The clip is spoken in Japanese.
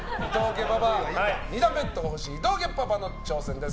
２段ベッドが欲しい伊藤家パパの挑戦です。